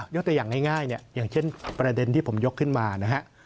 ยกตัวอย่างง่ายเนี่ยอย่างเช่นประเด็นที่ผมยกขึ้นมานะฮะ